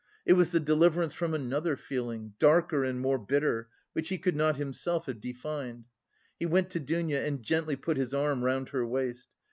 It was the deliverance from another feeling, darker and more bitter, which he could not himself have defined. He went to Dounia and gently put his arm round her waist.